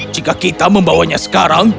jika kita membawanya sekarang